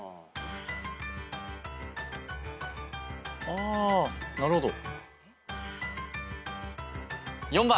あなるほど。